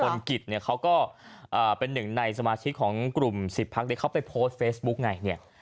นกิจเนี่ยเขาก็เป็นหนึ่งในสมาชิกของกลุ่ม๑๐พักที่เขาไปโพสต์เฟซบุ๊กไงเนี่ย